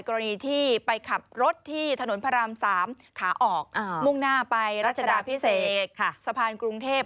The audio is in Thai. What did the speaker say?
กรณีที่ไปขับรถที่ถนนพระราม๓ขาออกมุ่งหน้าไปรัชดาพิเศษสะพานกรุงเทพ